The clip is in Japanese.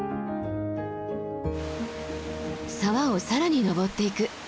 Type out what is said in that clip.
沢を更に登っていく。